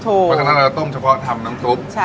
ต้องถ่าเราต้มเฉพาะทำน้ำซุป